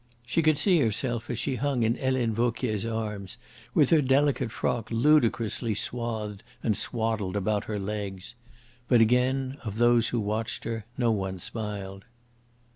She could see herself as she hung in Helene Vauquier's arms, with her delicate frock ludicrously swathed and swaddled about her legs. But, again, of those who watched her no one smiled.